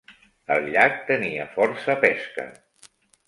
El llac tenia força pesca.